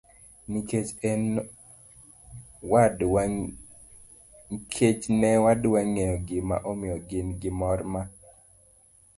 Nikech ne wadwa ng'eyo gima omiyo gin gi mor ma